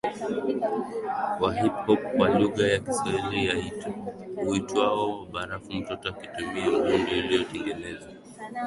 wa Hip Hop kwa lugha ya Kiswahili uitwao barafu mtoto akitumia mdundo iliyotengenezwa